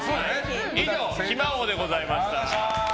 以上、暇王でございました。